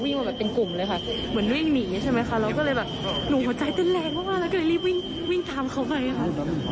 มาแบบเป็นกลุ่มเลยค่ะเหมือนวิ่งหนีใช่ไหมคะเราก็เลยแบบหนูหัวใจเต้นแรงมากแล้วก็เลยรีบวิ่งวิ่งตามเขาไปค่ะ